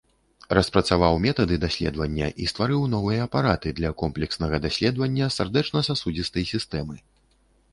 Распрацаваў метады даследавання і стварыў новыя апараты для комплекснага даследавання сардэчна-сасудзістай сістэмы.